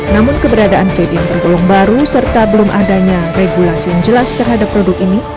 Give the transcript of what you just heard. namun keberadaan fede yang tergolong baru serta belum adanya regulasi yang jelas terhadap produk ini